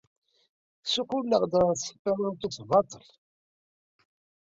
Ssuqquleɣ-d ɣer tesperantot baṭel.